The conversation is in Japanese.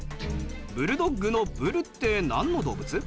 ブルドッグのブルってなんの動物？